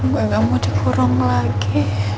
gue gak mau dikurung lagi